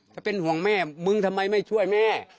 ถ้าเป็นห่วงแม่มึงทำไมไม่ช่วยแม่